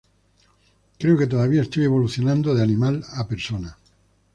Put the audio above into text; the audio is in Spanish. Creo que todavía estoy evolucionando de animal a hombre".